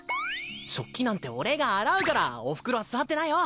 食器なんて俺が洗うからおふくろは座ってなよ。